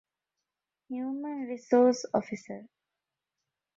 ހިއުމަންރިސޯސް އޮފިސަރ